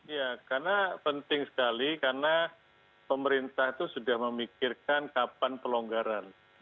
ya karena penting sekali karena pemerintah itu sudah memikirkan kapan pelonggaran